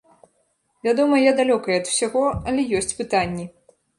Вядома, я далёкая ад усяго, але ёсць пытанні.